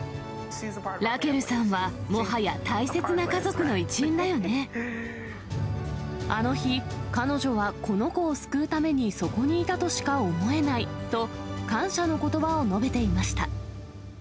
ラケルさんは、あの日、彼女はこの子を救うためにそこにいたとしか思えないと、感謝のことばを述べていました。